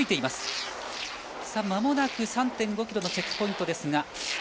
まもなく３．５ｋｍのチェックポイント。